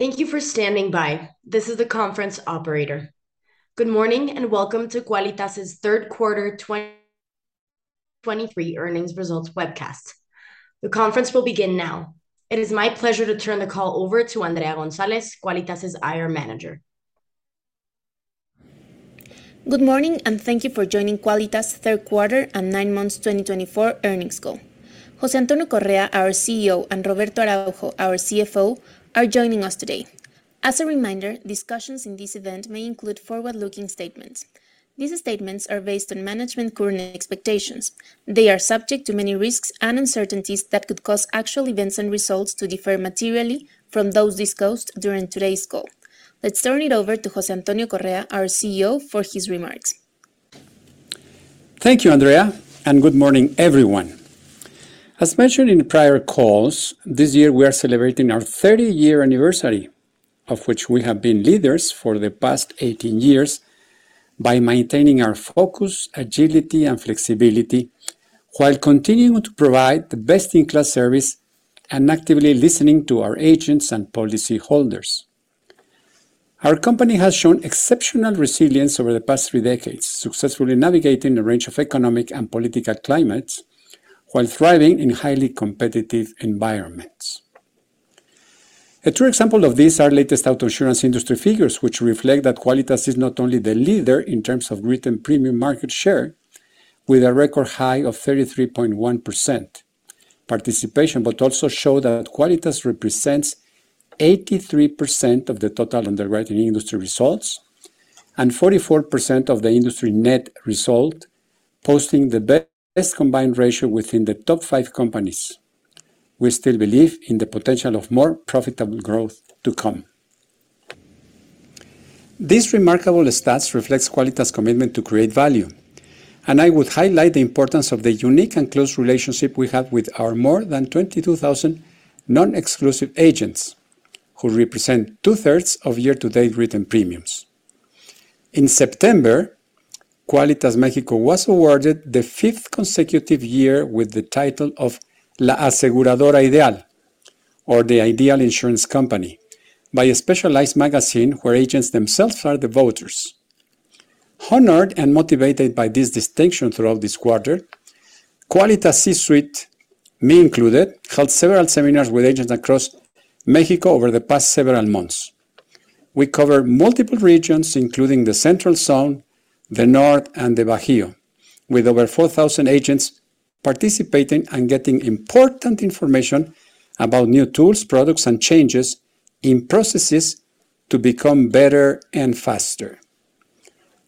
Thank you for standing by. This is the conference operator. Good morning, and welcome to Quálitas's third quarter 2023 earnings results webcast. The conference will begin now. It is my pleasure to turn the call over to Andrea González, Quálitas's IR manager. Good morning, and thank you for joining Quálitas's third quarter and nine months twenty twenty-four earnings call. José Antonio Correa, our CEO, and Roberto Araujo, our CFO, are joining us today. As a reminder, discussions in this event may include forward-looking statements. These statements are based on management's current expectations. They are subject to many risks and uncertainties that could cause actual events and results to differ materially from those discussed during today's call. Let's turn it over to José Antonio Correa, our CEO, for his remarks. Thank you, Andrea, and good morning, everyone. As mentioned in prior calls, this year we are celebrating our thirty-year anniversary, of which we have been leaders for the past eighteen years by maintaining our focus, agility, and flexibility while continuing to provide the best-in-class service and actively listening to our agents and policyholders. Our company has shown exceptional resilience over the past three decades, successfully navigating a range of economic and political climates while thriving in highly competitive environments. A true example of this, our latest auto insurance industry figures, which reflect that Quálitas is not only the leader in terms of written premium market share with a record high of 33.1% participation, but also show that Quálitas represents 83% of the total underwriting industry results and 44% of the industry net result, posting the best combined ratio within the top five companies. We still believe in the potential of more profitable growth to come. These remarkable stats reflect Quálitas's commitment to create value, and I would highlight the importance of the unique and close relationship we have with our more than 22,000 non-exclusive agents, who represent two-thirds of year-to-date written premiums. In September, Quálitas México was awarded the fifth consecutive year with the title of La Aseguradora Ideal, or the Ideal Insurance Company, by a specialized magazine where agents themselves are the voters. Honored and motivated by this distinction throughout this quarter, Quálitas C-suite, me included, held several seminars with agents across Mexico over the past several months. We covered multiple regions, including the Central Zone, the North, and the Bajío, with over 4,000 agents participating and getting important information about new tools, products, and changes in processes to become better and faster.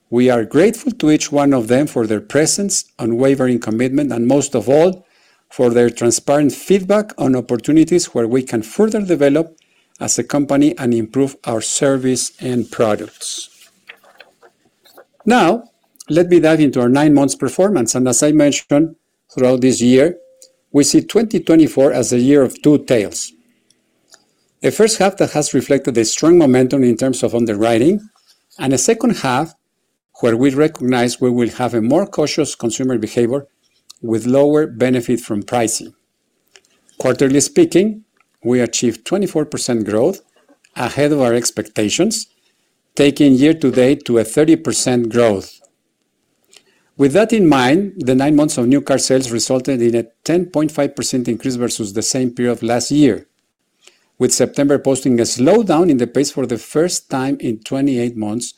We are grateful to each one of them for their presence, unwavering commitment, and most of all, for their transparent feedback on opportunities where we can further develop as a company and improve our service and products. Now, let me dive into our nine months' performance, and as I mentioned, throughout this year, we see 2024 as a year of two tails. The first half that has reflected a strong momentum in terms of underwriting and a second half where we recognize we will have a more cautious consumer behavior with lower benefit from pricing. Quarterly speaking, we achieved 24% growth ahead of our expectations, taking year to date to a 30% growth. With that in mind, the nine months of new car sales resulted in a 10.5% increase versus the same period last year, with September posting a slowdown in the pace for the first time in 28 months,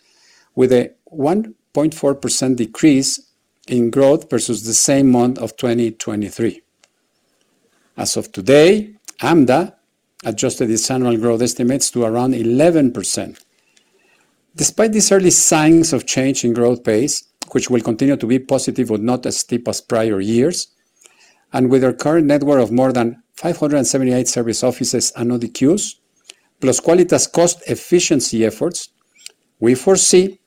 with a 1.4% decrease in growth versus the same month of 2023. As of today, AMDA adjusted its annual growth estimates to around 11%. Despite these early signs of change in growth pace, which will continue to be positive, but not as steep as prior years, and with our current network of more than 578 service offices and ODQs, plus Quálitas's cost efficiency efforts, we foresee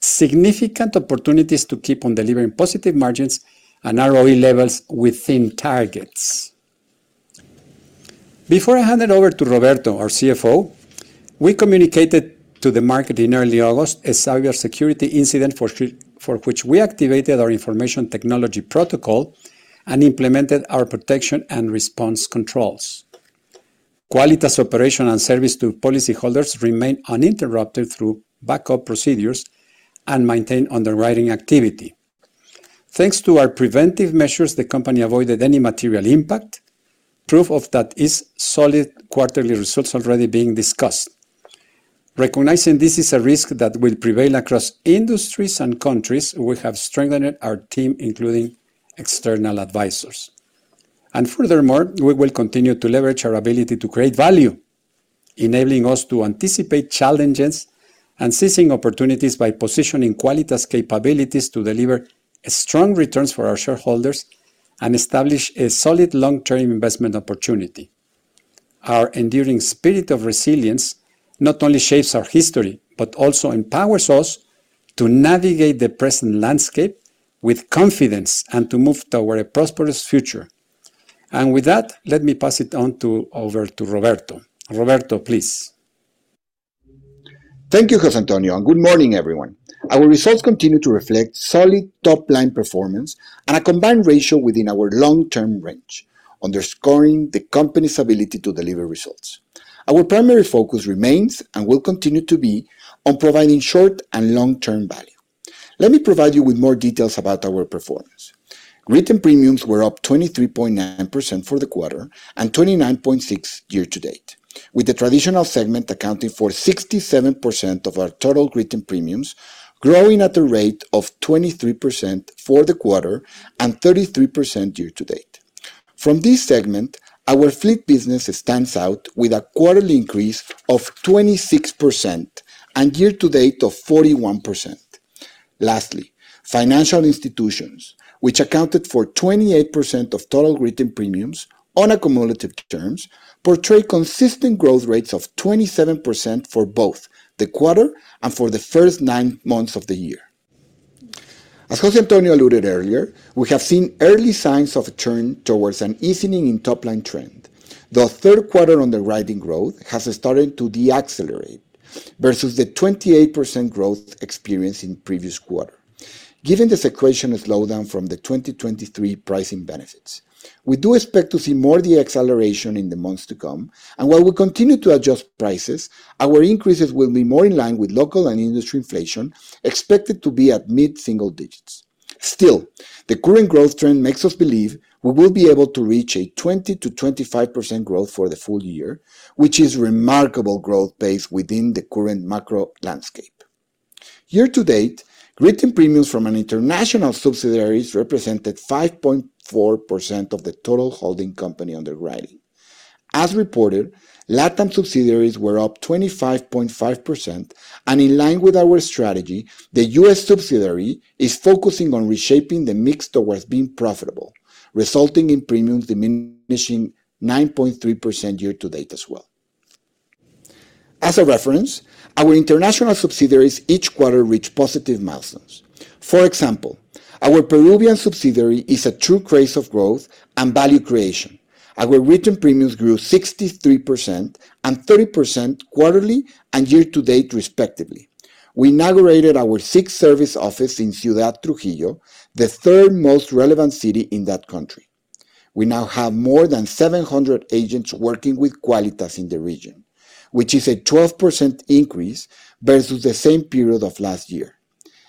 significant opportunities to keep on delivering positive margins and ROE levels within targets. Before I hand it over to Roberto, our CFO, we communicated to the market in early August a cybersecurity incident for which we activated our information technology protocol and implemented our protection and response controls. Quálitas' operation and service to policyholders remained uninterrupted through backup procedures and maintained underwriting activity. Thanks to our preventive measures, the company avoided any material impact. Proof of that is solid quarterly results already being discussed. Recognizing this is a risk that will prevail across industries and countries, we have strengthened our team, including external advisors, and furthermore, we will continue to leverage our ability to create value, enabling us to anticipate challenges and seizing opportunities by positioning Quálitas's capabilities to deliver strong returns for our shareholders and establish a solid long-term investment opportunity. Our enduring spirit of resilience not only shapes our history, but also empowers us to navigate the present landscape with confidence and to move toward a prosperous future, and with that, let me pass it on to... over to Roberto. Roberto, please.... Thank you, José Antonio, and good morning, everyone. Our results continue to reflect solid top-line performance and a combined ratio within our long-term range, underscoring the company's ability to deliver results. Our primary focus remains, and will continue to be, on providing short- and long-term value. Let me provide you with more details about our performance. Written premiums were up 23.9% for the quarter and 29.6% year to date, with the traditional segment accounting for 67% of our total written premiums, growing at a rate of 23% for the quarter and 33% year to date. From this segment, our fleet business stands out with a quarterly increase of 26% and year to date of 41%. Lastly, financial institutions, which accounted for 28% of total written premiums on a cumulative terms, portray consistent growth rates of 27% for both the quarter and for the first nine months of the year. As José Antonio alluded earlier, we have seen early signs of a turn towards an easing in top-line trend. The third quarter underwriting growth has started to decelerate versus the 28% growth experienced in previous quarter. Given the situation of slowdown from the 2023 pricing benefits, we do expect to see more deceleration in the months to come, and while we continue to adjust prices, our increases will be more in line with local and industry inflation, expected to be at mid-single digits. Still, the current growth trend makes us believe we will be able to reach a 20%-25% growth for the full year, which is remarkable growth pace within the current macro landscape. Year to date, written premiums from international subsidiaries represented 5.4% of the total holding company underwriting. As reported, LatAm subsidiaries were up 25.5%, and in line with our strategy, the US subsidiary is focusing on reshaping the mix towards being profitable, resulting in premiums diminishing 9.3% year to date as well. As a reference, our international subsidiaries each quarter reach positive milestones. For example, our Peruvian subsidiary is a true case of growth and value creation. Our written premiums grew 63% and 30% quarterly and year to date, respectively. We inaugurated our sixth service office in Ciudad Trujillo, the third most relevant city in that country. We now have more than 700 agents working with Quálitas in the region, which is a 12% increase versus the same period of last year.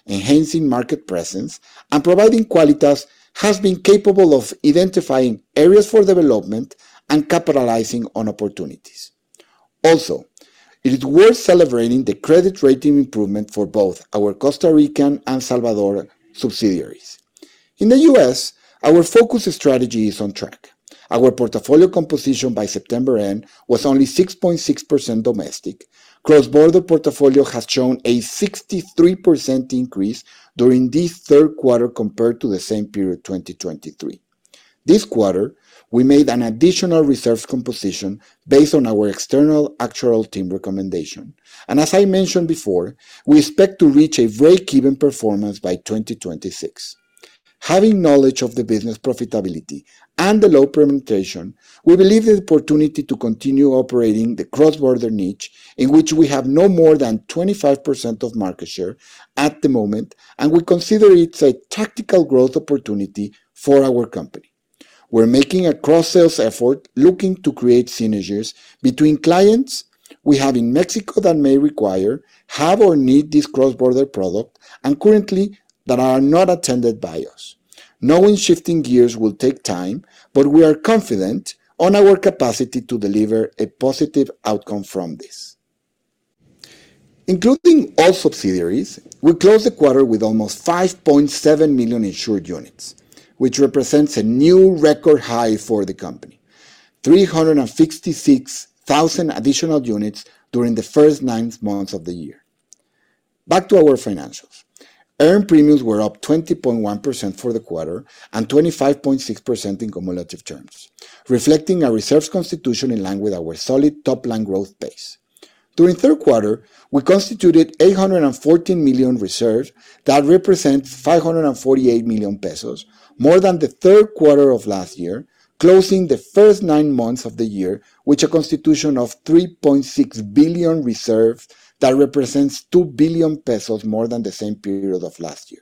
Enhancing market presence and providing Quálitas has been capable of identifying areas for development and capitalizing on opportunities. Also, it is worth celebrating the credit rating improvement for both our Costa Rican and Salvador subsidiaries. In the U.S., our focus strategy is on track. Our portfolio composition by September end was only 6.6% domestic. Cross-border portfolio has shown a 63% increase during this third quarter compared to the same period, 2023. This quarter, we made an additional reserves composition based on our external actuarial team recommendation. And as I mentioned before, we expect to reach a break-even performance by 2026. Having knowledge of the business profitability and the low penetration, we believe the opportunity to continue operating the cross-border niche, in which we have no more than 25% of market share at the moment, and we consider it a tactical growth opportunity for our company. We're making a cross-selling effort, looking to create synergies between clients we have in Mexico that may require, have, or need this cross-border product, and currently that are not attended by us. Knowing shifting gears will take time, but we are confident on our capacity to deliver a positive outcome from this. Including all subsidiaries, we closed the quarter with almost 5.7 million insured units, which represents a new record high for the company, 366,000 additional units during the first nine months of the year. Back to our financials. Earned premiums were up 20.1% for the quarter and 25.6% in cumulative terms, reflecting our reserve constitution in line with our solid top-line growth pace. During third quarter, we constituted 814 million reserves that represent 548 million pesos, more than the third quarter of last year, closing the first nine months of the year with a constitution of 3.6 billion reserves that represents 2 billion pesos more than the same period of last year.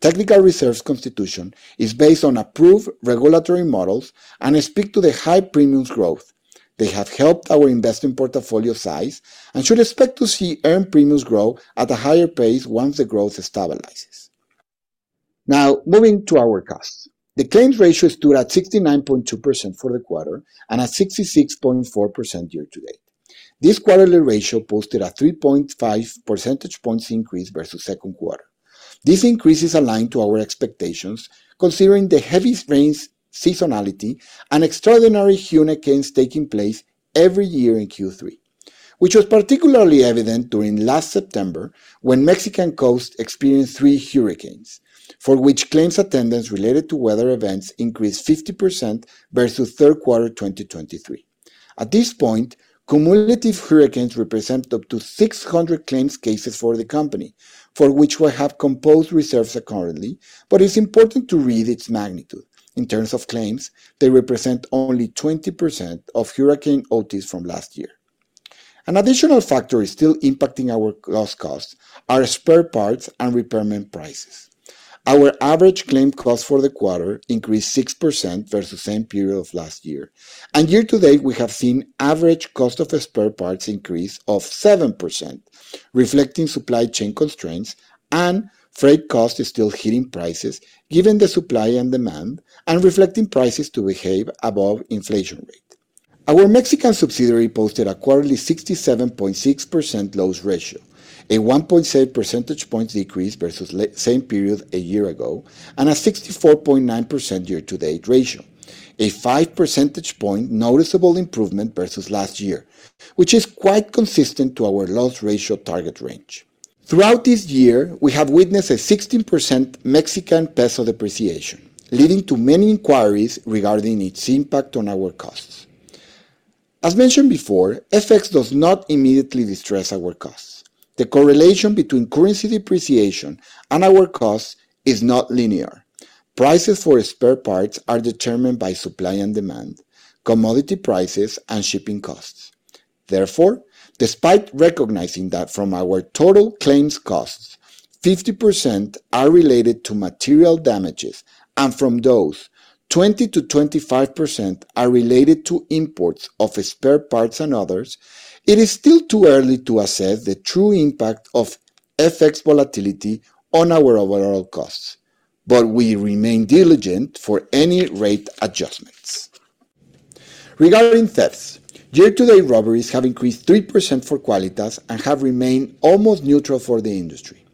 Technical reserves constitution is based on approved regulatory models and speak to the high premiums growth. They have helped our investment portfolio size and should expect to see earned premiums grow at a higher pace once the growth stabilizes. Now, moving to our costs. The claims ratio stood at 69.2% for the quarter and at 66.4% year to date. This quarterly ratio posted a 3.5 percentage points increase versus second quarter. This increase is aligned to our expectations, considering the heavy rains seasonality and extraordinary hurricanes taking place every year in Q3, which was particularly evident during last September, when Mexican coast experienced three hurricanes, for which claims attendance related to weather events increased 50% versus third quarter 2023. At this point, cumulative hurricanes represent up to 600 claims cases for the company, for which we have composed reserves accordingly, but it's important to read its magnitude in terms of claims. They represent only 20% of Hurricane Otis from last year. An additional factor is still impacting our loss costs: spare parts and repair prices. Our average claim cost for the quarter increased 6% versus same period of last year. And year to date, we have seen average cost of the spare parts increase of 7%, reflecting supply chain constraints and freight costs still hitting prices, given the supply and demand, and reflecting prices to behave above inflation rate. Our Mexican subsidiary posted a quarterly 67.6% loss ratio, a 1.7 percentage point decrease versus same period a year ago, and a 64.9% year-to-date ratio, a 5 percentage point noticeable improvement versus last year, which is quite consistent to our loss ratio target range. Throughout this year, we have witnessed a 16% Mexican peso depreciation, leading to many inquiries regarding its impact on our costs. As mentioned before, FX does not immediately distress our costs. The correlation between currency depreciation and our costs is not linear. Prices for spare parts are determined by supply and demand, commodity prices, and shipping costs. Therefore, despite recognizing that from our total claims costs, 50% are related to material damages, and from those, 20%-25% are related to imports of spare parts and others, it is still too early to assess the true impact of FX volatility on our overall costs, but we remain diligent for any rate adjustments. Regarding thefts, year-to-date robberies have increased 3% for Quálitas and have remained almost neutral for the industry.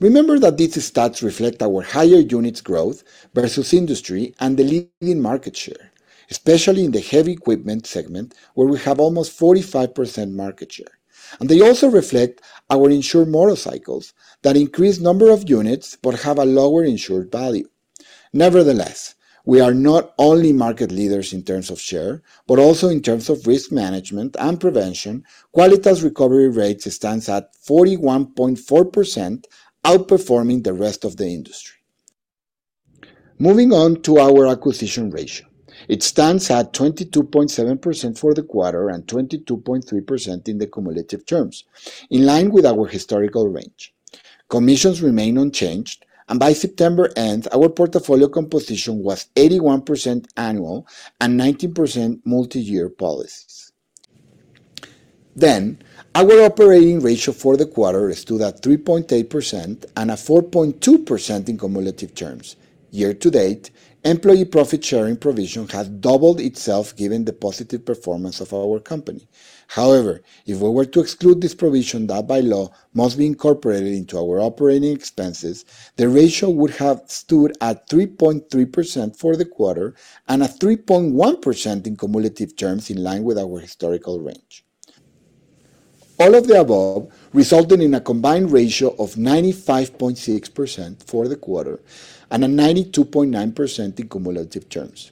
Remember that these stats reflect our higher units growth versus industry and the leading market share, especially in the heavy equipment segment, where we have almost 45% market share, and they also reflect our insured motorcycles that increase number of units but have a lower insured value. Nevertheless, we are not only market leaders in terms of share, but also in terms of risk management and prevention. Quálitas recovery rate stands at 41.4%, outperforming the rest of the industry. Moving on to our acquisition ratio. It stands at 22.7% for the quarter and 22.3% in the cumulative terms, in line with our historical range. Commissions remain unchanged, and by September end, our portfolio composition was 81% annual and 19% multi-year policies. Our operating ratio for the quarter is stood at 3.8% and at 4.2% in cumulative terms. Year to date, employee profit-sharing provision has doubled itself, given the positive performance of our company. However, if we were to exclude this provision, that by law must be incorporated into our operating expenses, the ratio would have stood at 3.3% for the quarter and at 3.1% in cumulative terms, in line with our historical range. All of the above resulted in a combined ratio of 95.6% for the quarter and a 92.9% in cumulative terms.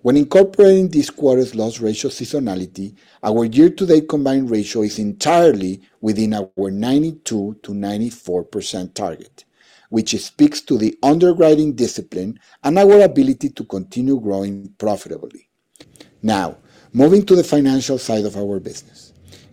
When incorporating this quarter's loss ratio seasonality, our year-to-date combined ratio is entirely within our 92%-94% target, which speaks to the underwriting discipline and our ability to continue growing profitably. Now, moving to the financial side of our business.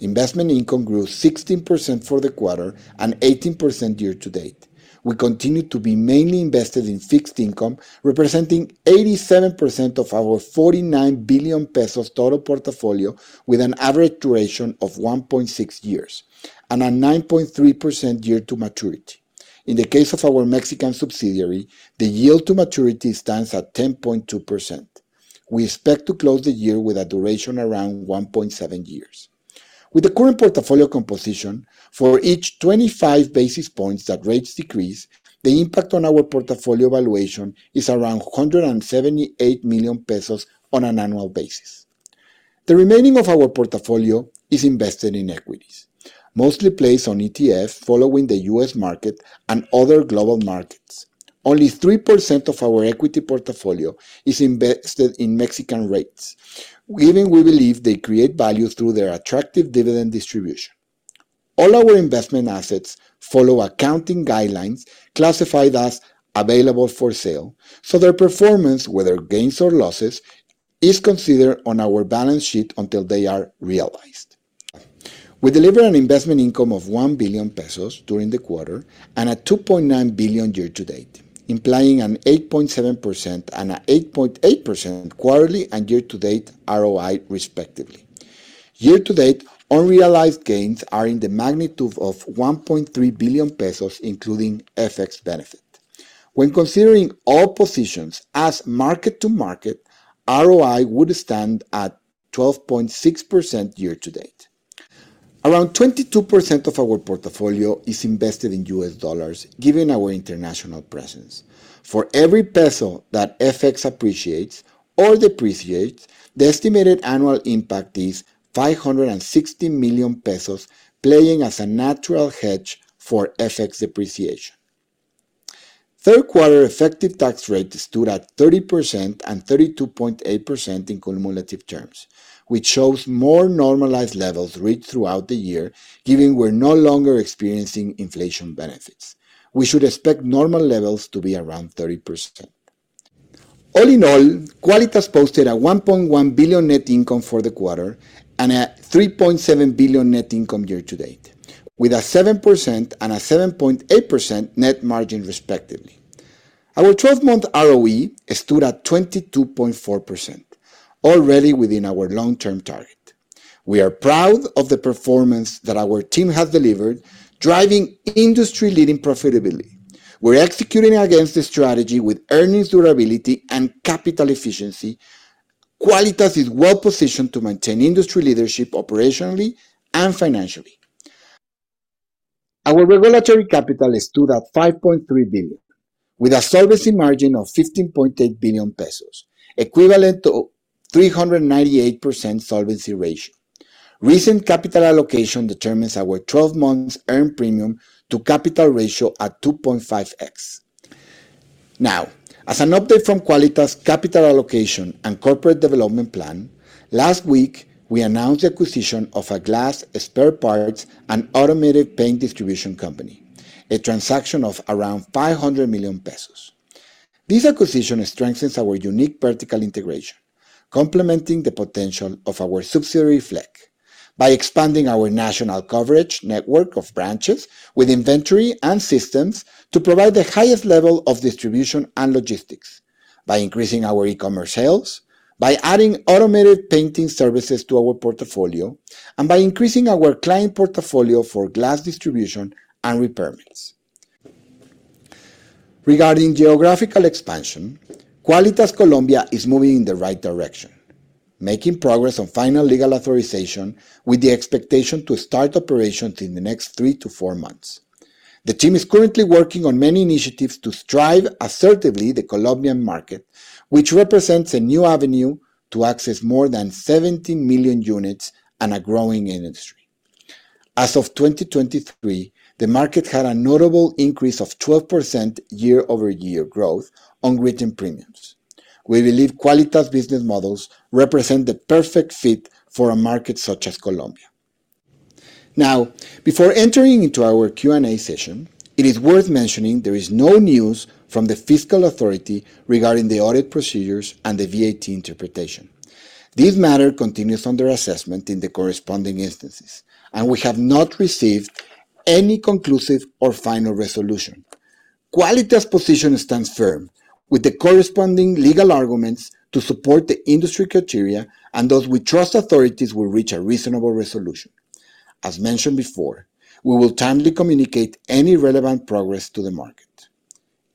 Investment income grew 16% for the quarter and 18% year to date. We continue to be mainly invested in fixed income, representing 87% of our 49 billion pesos total portfolio, with an average duration of 1.6 years and a 9.3% yield to maturity. In the case of our Mexican subsidiary, the yield to maturity stands at 10.2%. We expect to close the year with a duration around 1.7 years. With the current portfolio composition, for each 25 basis points that rates decrease, the impact on our portfolio valuation is around 178 million pesos on an annual basis. The remaining of our portfolio is invested in equities, mostly placed on ETF, following the U.S. market and other global markets. Only 3% of our equity portfolio is invested in Mexican rates, given we believe they create value through their attractive dividend distribution. All our investment assets follow accounting guidelines classified as available for sale, so their performance, whether gains or losses, is considered on our balance sheet until they are realized. We delivered an investment income of 1 billion pesos during the quarter and 2.9 billion year to date, implying an 8.7% and an 8.8% quarterly and year-to-date ROI, respectively. Year to date, unrealized gains are in the magnitude of 1.3 billion pesos, including FX benefit. When considering all positions as mark-to-market, ROI would stand at 12.6% year to date. Around 22% of our portfolio is invested in U.S. dollars, given our international presence. For every peso that FX appreciates or depreciates, the estimated annual impact is 560 million pesos, playing as a natural hedge for FX depreciation. Third quarter effective tax rate stood at 30% and 32.8% in cumulative terms, which shows more normalized levels reached throughout the year, given we're no longer experiencing inflation benefits. We should expect normal levels to be around 30%. All in all, Quálitas posted a 1.1 billion net income for the quarter and a 3.7 billion net income year to date, with a 7% and a 7.8% net margin, respectively. Our twelve-month ROE stood at 22.4%, already within our long-term target. We are proud of the performance that our team has delivered, driving industry-leading profitability. We're executing against the strategy with earnings durability and capital efficiency. Quálitas is well positioned to maintain industry leadership operationally and financially. Our regulatory capital stood at 5.3 billion, with a solvency margin of 15.8 billion pesos, equivalent to 398% solvency ratio. Recent capital allocation determines our twelve months earned premium to capital ratio at 2.5x. Now, as an update from Quálitas' capital allocation and corporate development plan, last week we announced the acquisition of a glass, spare parts, and automated paint distribution company, a transaction of around 500 million pesos. This acquisition strengthens our unique vertical integration, complementing the potential of our subsidiary, Flekk, by expanding our national coverage network of branches with inventory and systems to provide the highest level of distribution and logistics, by increasing our e-commerce sales, by adding automated painting services to our portfolio, and by increasing our client portfolio for glass distribution and repairs. Regarding geographical expansion, Quálitas Colombia is moving in the right direction, making progress on final legal authorization, with the expectation to start operations in the next 3-4 months. The team is currently working on many initiatives to strive assertively the Colombian market, which represents a new avenue to access more than 70 million units and a growing industry. As of 2023, the market had a notable increase of 12% year-over-year growth on written premiums. We believe Quálitas' business models represent the perfect fit for a market such as Colombia. Now, before entering into our Q&A session, it is worth mentioning there is no news from the fiscal authority regarding the audit procedures and the VAT interpretation. This matter continues under assessment in the corresponding instances, and we have not received any conclusive or final resolution. Quálitas' position stands firm, with the corresponding legal arguments to support the industry criteria, and thus we trust authorities will reach a reasonable resolution. As mentioned before, we will timely communicate any relevant progress to the market.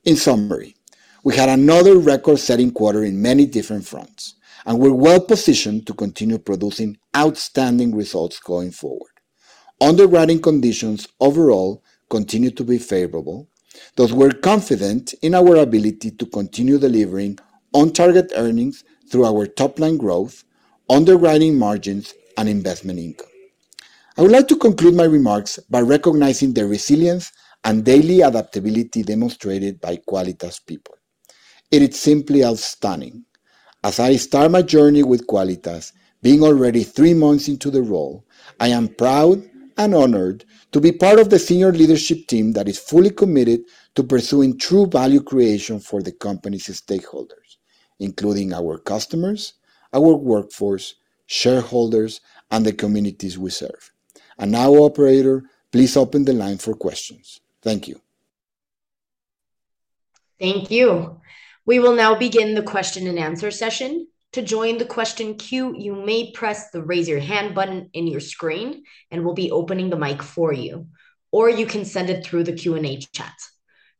In summary, we had another record-setting quarter in many different fronts, and we're well positioned to continue producing outstanding results going forward. Underwriting conditions overall continue to be favorable, thus we're confident in our ability to continue delivering on-target earnings through our top-line growth, underwriting margins, and investment income. I would like to conclude my remarks by recognizing the resilience and daily adaptability demonstrated by Quálitas people. It is simply outstanding. As I start my journey with Quálitas, being already three months into the role, I am proud and honored to be part of the senior leadership team that is fully committed to pursuing true value creation for the company's stakeholders, including our customers, our workforce, shareholders, and the communities we serve. And now, operator, please open the line for questions. Thank you. Thank you. We will now begin the question and answer session. To join the question queue, you may press the Raise Your Hand button in your screen, and we'll be opening the mic for you, or you can send it through the Q&A chat.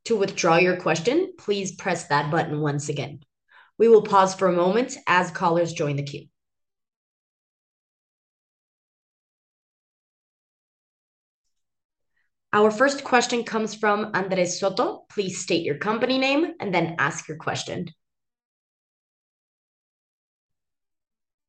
To withdraw your question, please press that button once again. We will pause for a moment as callers join the queue. Our first question comes from Andrés Soto. Please state your company name and then ask your question.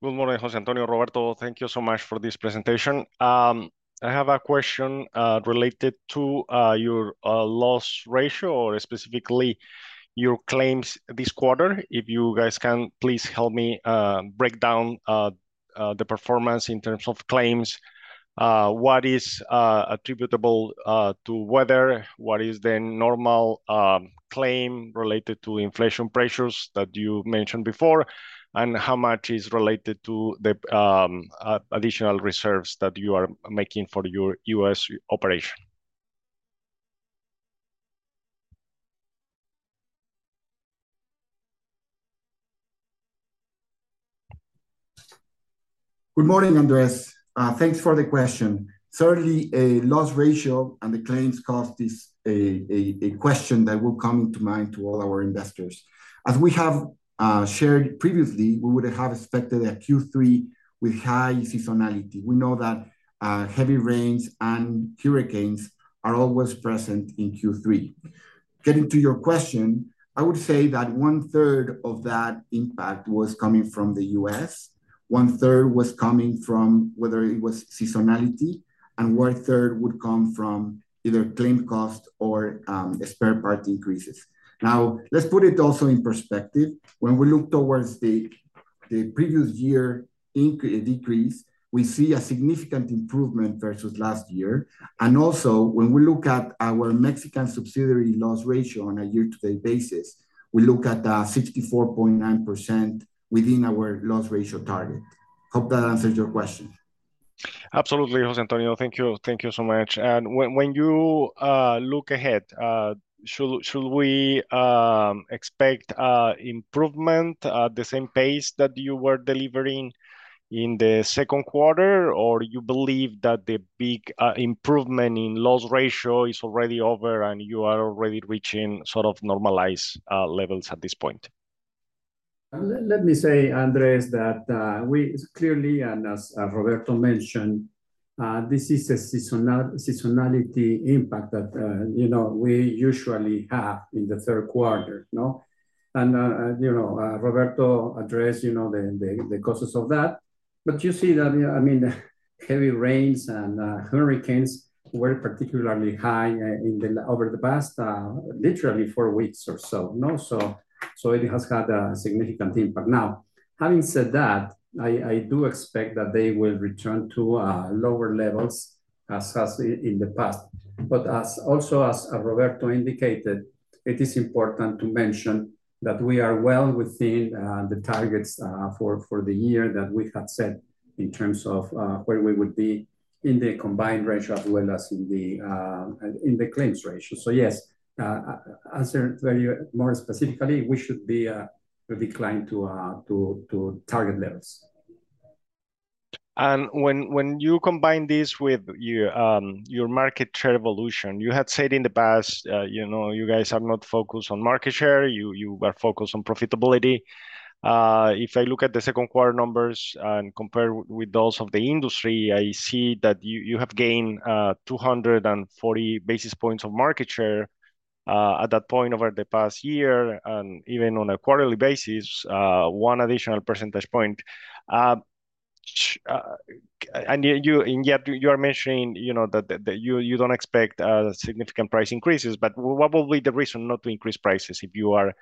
Good morning, José Antonio, Roberto. Thank you so much for this presentation. I have a question related to your loss ratio, or specifically your claims this quarter. If you guys can please help me break down the performance in terms of claims, what is attributable to weather? What is the normal claim related to inflation pressures that you mentioned before? And how much is related to the additional reserves that you are making for your U.S. operation? Good morning, Andres. Thanks for the question. Certainly, a loss ratio and the claims cost is a question that will come to mind to all our investors. As we have shared previously, we would have expected a Q3 with high seasonality. We know that heavy rains and hurricanes are always present in Q3. Getting to your question, I would say that one third of that impact was coming from the US, one third was coming from whether it was seasonality, and one third would come from either claim cost or spare part increases. Now, let's put it also in perspective. When we look towards the previous year decrease, we see a significant improvement versus last year. Also, when we look at our Mexican subsidiary loss ratio on a year-to-date basis, we look at 64.9% within our loss ratio target. Hope that answers your question. Absolutely, José Antonio, thank you. Thank you so much. And when you look ahead, should we expect improvement at the same pace that you were delivering in the second quarter? Or you believe that the big improvement in loss ratio is already over, and you are already reaching sort of normalized levels at this point? Let me say, Andres, that we clearly, and as Roberto mentioned, this is a seasonality impact that, you know, we usually have in the third quarter, no? And, you know, Roberto addressed, you know, the causes of that. But you see that, I mean, heavy rains and hurricanes were particularly high in the over the past literally four weeks or so, no? So it has had a significant impact. Now, having said that, I do expect that they will return to lower levels, as has in the past. But also, as Roberto indicated, it is important to mention that we are well within the targets for the year that we had set in terms of where we would be in the combined ratio, as well as in the claims ratio. So, yes, answer more specifically, we should decline to target levels. When you combine this with your market share evolution, you had said in the past, you know, you guys are not focused on market share, you are focused on profitability. If I look at the second quarter numbers and compare with those of the industry, I see that you have gained two hundred and forty basis points of market share at that point over the past year, and even on a quarterly basis, one additional percentage point. And yet you are mentioning, you know, that you don't expect significant price increases, but what will be the reason not to increase prices if you are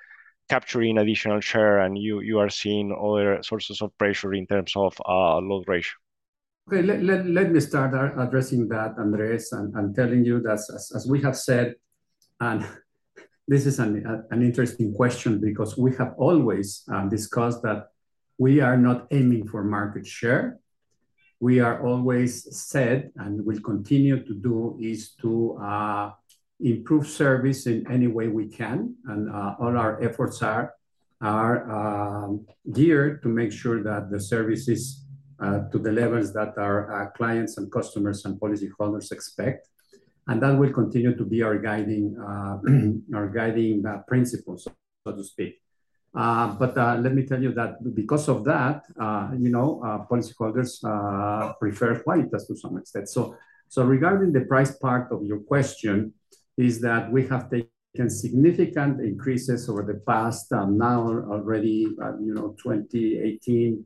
capturing additional share and you are seeing other sources of pressure in terms of loss ratio? Okay, let me start addressing that, Andres, and telling you that as we have said, and this is an interesting question because we have always discussed that we are not aiming for market share. We have always said, and we'll continue to do, is to improve service in any way we can. And all our efforts are geared to make sure that the service is to the levels that our clients and customers and policyholders expect, and that will continue to be our guiding principles, so to speak. But let me tell you that because of that, you know, policyholders prefer Quálitas to some extent. Regarding the price part of your question, we have taken significant increases over the past, now already, you know, twenty eighteen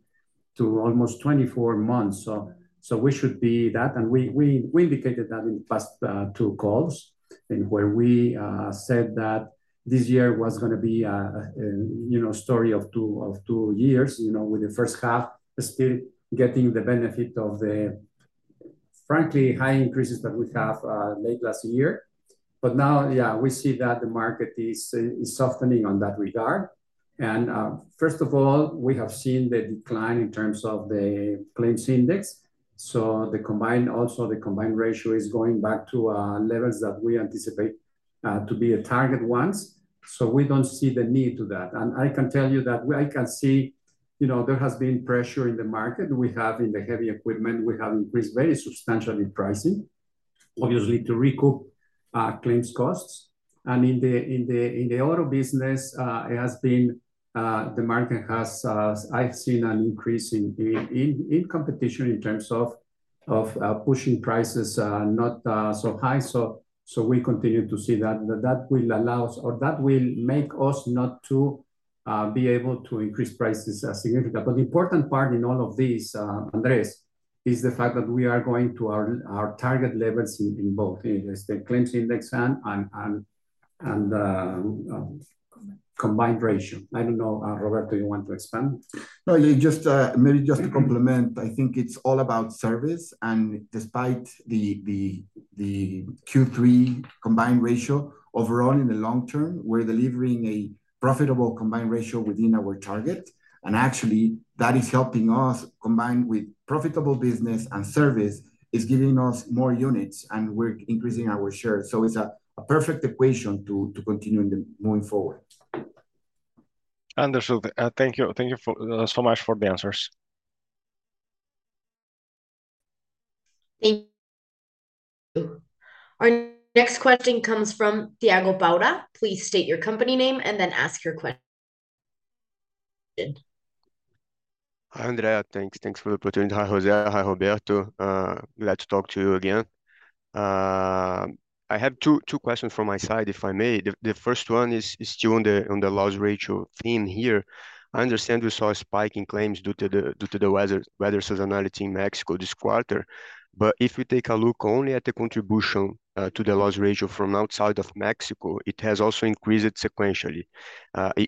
to almost twenty-four months. So we should be that, and we indicated that in the past two calls and where we said that this year was gonna be, you know, a story of two years, with the first half still getting the benefit of the, frankly, high increases that we had late last year. But now, yeah, we see that the market is softening on that regard. First of all, we have seen the decline in terms of the claims index, so the combined, also the combined ratio is going back to levels that we anticipate to be a target once, so we don't see the need to that. I can tell you that I can see, you know, there has been pressure in the market. We have in the heavy equipment, we have increased very substantially pricing, obviously, to recoup claims costs. In the auto business, it has been the market has, I've seen an increase in competition in terms of pushing prices not so high. We continue to see that. That will allow us or that will make us not to be able to increase prices significantly. But the important part in all of this, Andres, is the fact that we are going to our target levels in both the claims index and Combined... combined ratio. I don't know, Roberto, you want to expand? No, just maybe just to complement. I think it's all about service, and despite the Q3 combined ratio, overall, in the long term, we're delivering a profitable combined ratio within our target. And actually, that is helping us, combined with profitable business and service, is giving us more units, and we're increasing our share. So it's a perfect equation to continue in the... moving forward. Understood. Thank you. Thank you so much for the answers. Thank you. Our next question comes from Thiago Paura. Please state your company name and then ask your question. Hi, Andrea. Thanks. Thanks for the opportunity. Hi, José. Hi, Roberto. Glad to talk to you again. I have two questions from my side, if I may. The first one is still on the loss ratio theme here. I understand we saw a spike in claims due to the weather seasonality in Mexico this quarter, but if we take a look only at the contribution to the loss ratio from outside of Mexico, it has also increased sequentially.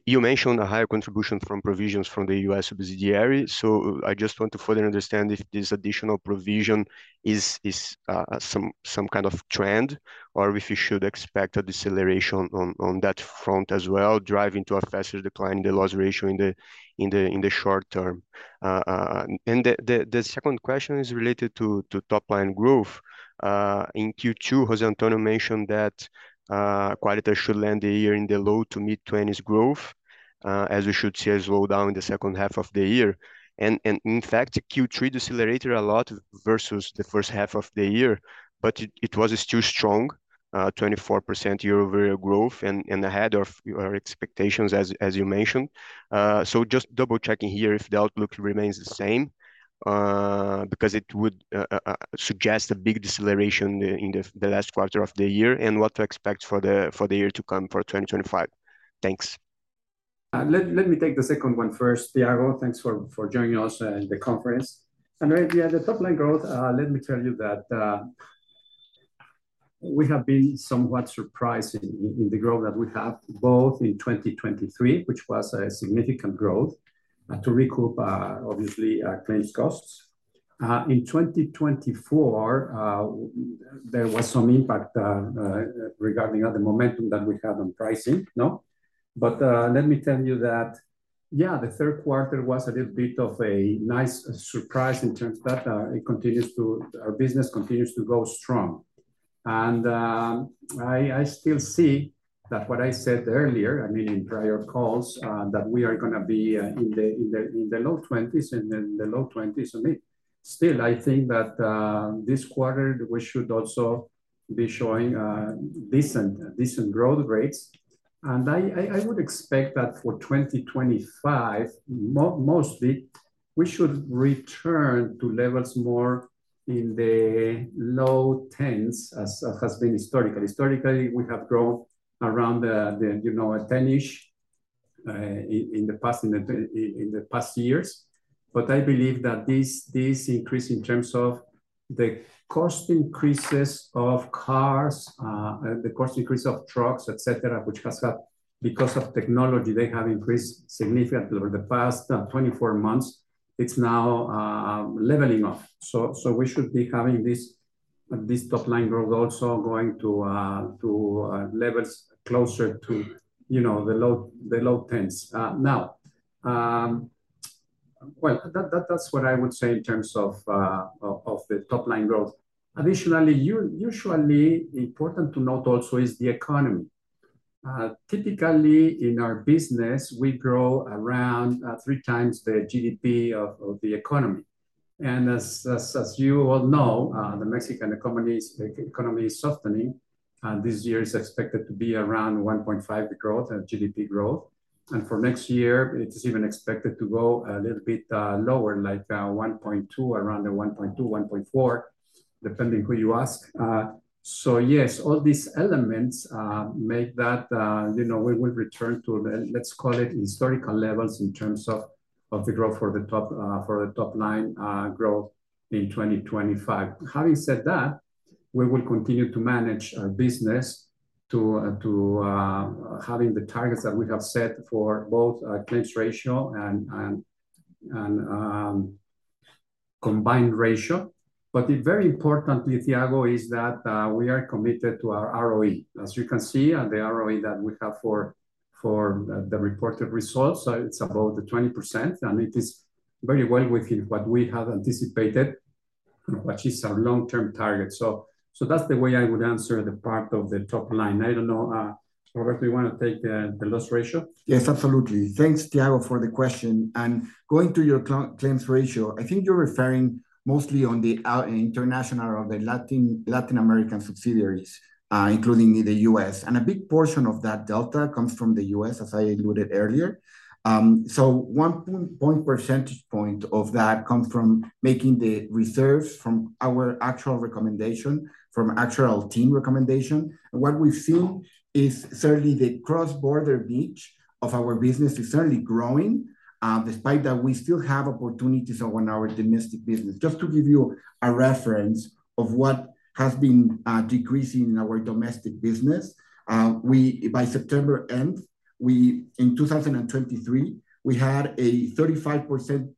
You mentioned a higher contribution from provisions from the US subsidiary, so I just want to further understand if this additional provision is some kind of trend, or if we should expect a deceleration on that front as well, driving to a faster decline in the loss ratio in the short term? And the second question is related to top line growth. In Q2, José Antonio mentioned that Quálitas should land the year in the low to mid-twenties growth, as we should see a slowdown in the second half of the year. And in fact, Q3 decelerated a lot versus the first half of the year, but it was still strong, 24% year-over-year growth and ahead of our expectations, as you mentioned. So, just double checking here, if the outlook remains the same, because it would suggest a big deceleration in the last quarter of the year, and what to expect for the year to come for twenty twenty-five. Thanks. Let me take the second one first, Thiago. Thanks for joining us in the conference. Yeah, the top line growth, let me tell you that we have been somewhat surprised in the growth that we have, both in 2023, which was a significant growth to recoup, obviously, claims costs. In 2024, there was some impact regarding the momentum that we have on pricing, no? Let me tell you that, yeah, the third quarter was a little bit of a nice surprise in terms that it continues to... Our business continues to go strong. I still see that what I said earlier, I mean, in prior calls, that we are gonna be in the low twenties and in the low twenties. I mean, still I think that this quarter we should also be showing decent, decent growth rates. And I would expect that for twenty twenty-five, mostly, we should return to levels more in the low tens, as has been historically. Historically, we have grown around, you know, a ten-ish in the past years. But I believe that this increase in terms of the cost increases of cars, the cost increase of trucks, et cetera, which has happened because of technology, they have increased significantly over the past twenty-four months. It's now leveling off. So we should be having this top line growth also going to levels closer to, you know, the low tens. Now, well, that's what I would say in terms of the top line growth. Additionally, usually important to note also is the economy. Typically, in our business, we grow around three times the GDP of the economy. As you well know, the Mexican economy is softening, and this year is expected to be around 1.5% GDP growth. For next year, it is even expected to go a little bit lower, like 1.2, around the 1.2-1.4%, depending who you ask. So yes, all these elements make that, you know, we will return to the, let's call it, historical levels in terms of the growth for the top line, growth in 2025. Having said that, we will continue to manage our business to having the targets that we have set for both, claims ratio and combined ratio. But very importantly, Thiago, is that, we are committed to our ROE. As you can see, on the ROE that we have for the reported results, so it's about the 20%, and it is very well within what we have anticipated, which is our long-term target. So that's the way I would answer the part of the top line. I don't know, Roberto, you want to take the loss ratio? Yes, absolutely. Thanks, Thiago, for the question. Going to your claims ratio, I think you're referring mostly to our international or the Latin American subsidiaries, including in the US. A big portion of that delta comes from the US, as I alluded earlier. So one percentage point of that comes from making the reserves from our actual recommendation, from actual team recommendation. What we see is certainly the cross-border reach of our business is certainly growing, despite that we still have opportunities on our domestic business. Just to give you a reference of what has been decreasing in our domestic business, we. By the end of September, in 2023, we had a 35%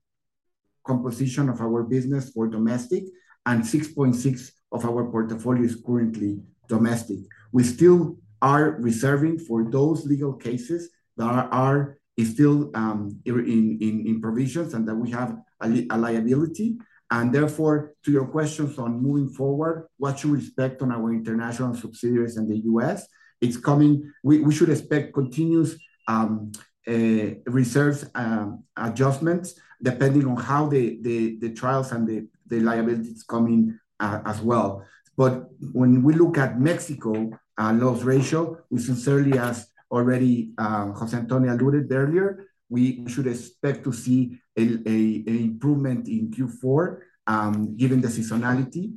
composition of our business for domestic, and 6.6% of our portfolio is currently domestic. We still are reserving for those legal cases that are still in provisions and that we have a liability. And therefore, to your questions on moving forward, what to expect on our international subsidiaries in the U.S., we should expect continuous reserves adjustments, depending on how the trials and the liabilities coming, as well. But when we look at Mexico, our loss ratio, we sincerely, as already José Antonio alluded earlier, we should expect to see an improvement in Q4, given the seasonality....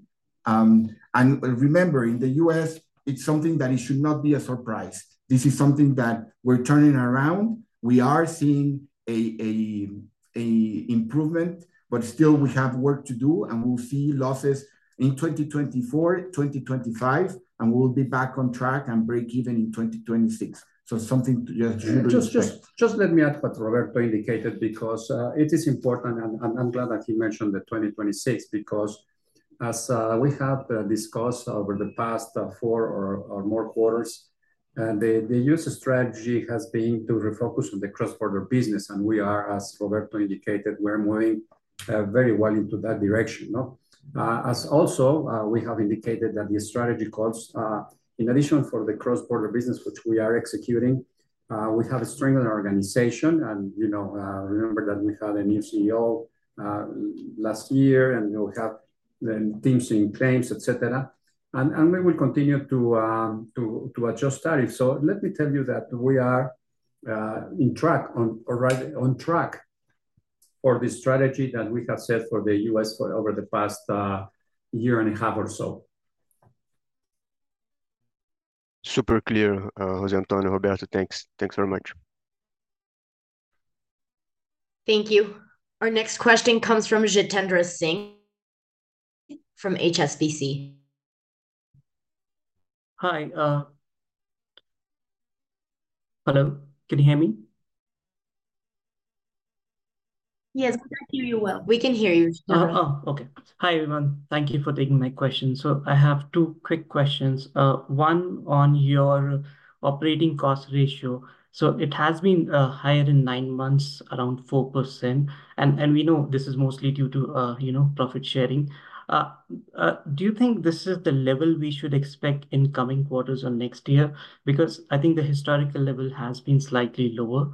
and remember, in the US, it's something that it should not be a surprise. This is something that we're turning around. We are seeing an improvement, but still we have work to do, and we'll see losses in 2024, 2025, and we'll be back on track and break even in 2026. So something to just- Just let me add what Roberto indicated, because it is important, and I'm glad that he mentioned the 2026, because as we have discussed over the past four or more quarters, the US strategy has been to refocus on the cross-border business, and we are, as Roberto indicated, we're moving very well into that direction, no? As also we have indicated that the strategy calls in addition for the cross-border business, which we are executing, we have a stronger organization. And you know, remember that we had a new CEO last year, and you know, we have the teams in claims, et cetera. And we will continue to adjust tariffs. So let me tell you that we are right on track for the strategy that we have set for the U.S. for over the past year and a half or so. Super clear, José Antonio, Roberto. Thanks. Thanks very much. Thank you. Our next question comes from Jitendra Singh from HSBC. Hi. Hello, can you hear me? Yes, we can hear you well. We can hear you, Jitendra. Hi, everyone, thank you for taking my question. So I have two quick questions. One on your operating cost ratio. So it has been higher in nine months, around 4%, and we know this is mostly due to you know, profit sharing. Do you think this is the level we should expect in coming quarters or next year? Because I think the historical level has been slightly lower.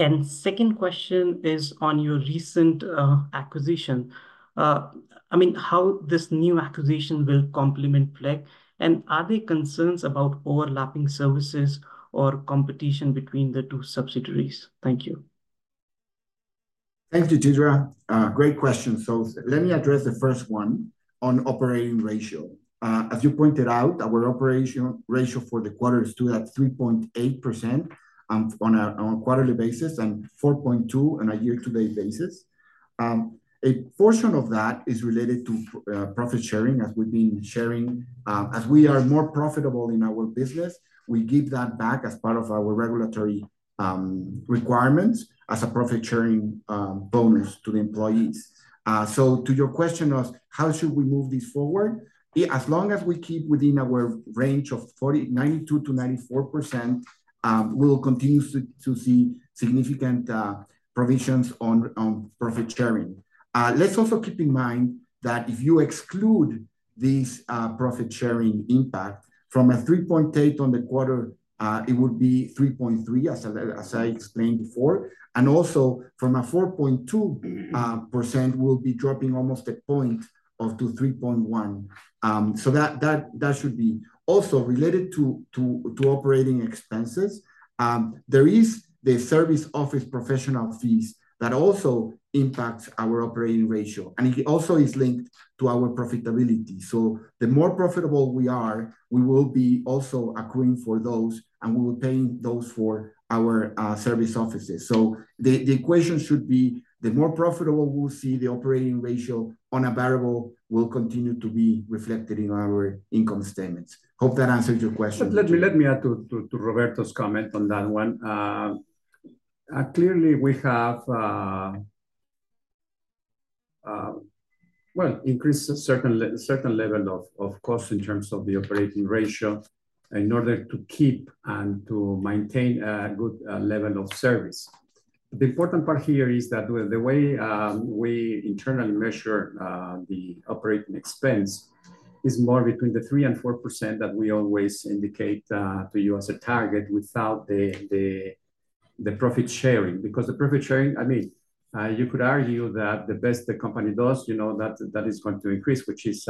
And second question is on your recent acquisition. I mean, how this new acquisition will complement Flekk, and are there concerns about overlapping services or competition between the two subsidiaries? Thank you. Thank you, Jitendra. Great question. So let me address the first one on operating ratio. As you pointed out, our operating ratio for the quarter is 23.8%, on a quarterly basis, and 4.2% on a year-to-date basis. A portion of that is related to profit sharing, as we've been sharing. As we are more profitable in our business, we give that back as part of our regulatory requirements as a profit sharing bonus to the employees. So to your question of how should we move this forward? As long as we keep within our range of 92%-94%, we'll continue to see significant provisions on profit sharing. Let's also keep in mind that if you exclude these profit-sharing impact from 3.8 on the quarter, it would be 3.3, as I explained before, and also from 4.2%, we'll be dropping almost a point of to 3.1. So that should be also related to operating expenses. There is the service office professional fees that also impacts our operating ratio, and it also is linked to our profitability. So the more profitable we are, we will be also accruing for those, and we will paying those for our service offices. So the equation should be, the more profitable we'll see the operating ratio on a variable will continue to be reflected in our income statements. Hope that answers your question. Let me add to Roberto's comment on that one. Clearly, we have increased a certain level of cost in terms of the operating ratio, in order to keep and to maintain a good level of service. The important part here is that the way we internally measure the operating expense is more between 3% and 4% that we always indicate to you as a target without the profit sharing. Because the profit sharing, I mean, you could argue that the best the company does, you know, that is going to increase, which is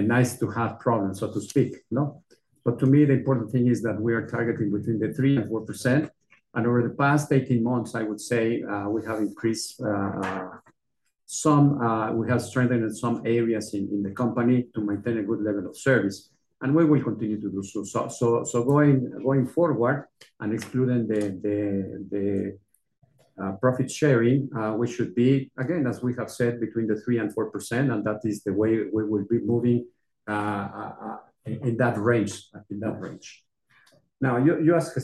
a nice to have problem, so to speak, no? But to me, the important thing is that we are targeting between 3% and 4%, and over the past eighteen months, I would say, we have strengthened some areas in the company to maintain a good level of service, and we will continue to do so. So going forward and excluding the profit sharing, we should be, again, as we have said, between 3% and 4%, and that is the way we will be moving in that range. Now, you asked a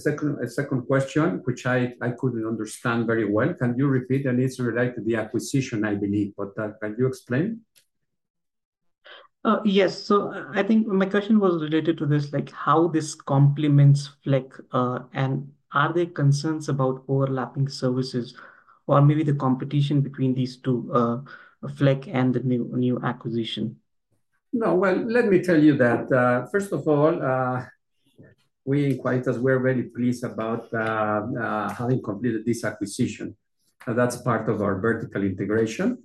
second question, which I couldn't understand very well. Can you repeat? And it's related to the acquisition, I believe, but can you explain? Yes. So I think my question was related to this, like, how this complements Flekk, and are there concerns about overlapping services or maybe the competition between these two, Flekk and the new acquisition? No. Well, let me tell you that, first of all, we in Quálitas, we're very pleased about, having completed this acquisition, and that's part of our vertical integration.